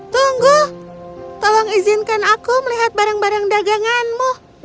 tunggu tolong izinkan aku melihat barang barang daganganmu